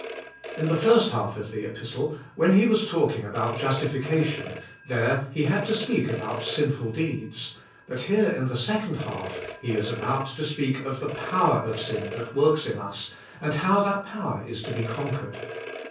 In the first half of the Epistle, when he was talking about justification, there he had to speak about sinful deeds, but here in the second half he is about to speak of the power of sin that works in us, and how that power is to be conquered.